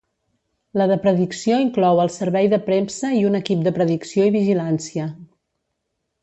La de Predicció inclou el servei de premsa i un equip de Predicció i Vigilància.